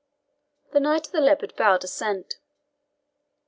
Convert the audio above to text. The Knight of the Leopard bowed assent.